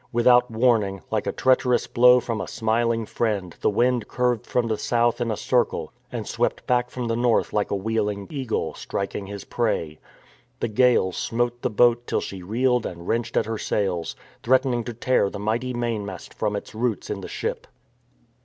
Without warning, like a treacherous blow from a smiling friend, the wind curved from the south in a circle, and swept back from the north like a wheel ing eagle striking his prey. The gale smote the boat till she reeled and wrenched at her sails, threatening to tear the mighty mainmast from its roots in the ship.